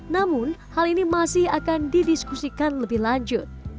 namun hal ini masih akan didiskusikan lebih lanjut